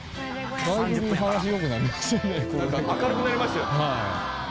なんか明るくなりましたよね。